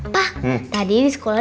pak tadi di sekolah